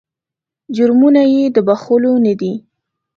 جرمونه یې د بخښلو نه دي.